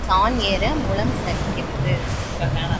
சாண் ஏற முழம் சறுக்கிறது.